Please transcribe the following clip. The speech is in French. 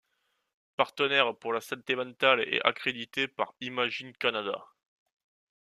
Partenaires pour la santé mentale est accredité par Imagine Canada.